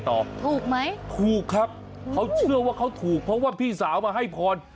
ถูกไหมถูกครับเขาเชื่อว่าเขาถูกเพราะว่าพี่สาวมาให้พร